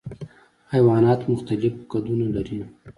حیوانات مختلف قدونه لري.